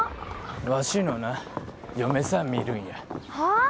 わしのな嫁さん見るんやはあ？